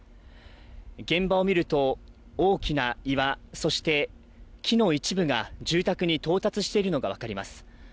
現場を見ると大きな岩、そして木の一部が住宅に到達しているのが分かります。